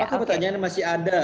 apakah pertanyaan masih ada